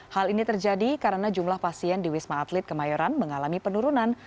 hal ini terjadi karena jumlah pasien di wisma atlet kemayoran mengalami penurunan